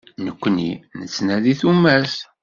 Nekkni nettnadi tumert.